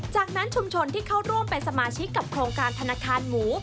จากนั้นชุมชนที่เข้าร่วมเป็นสมาชิกกับโครงการธนาคารหมู